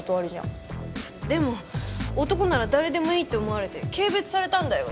でも男なら誰でもいいって思われて軽蔑されたんだよ。